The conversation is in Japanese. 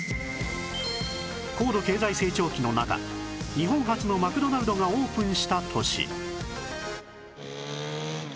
高度経済成長期の中日本初のマクドナルドがオープンした年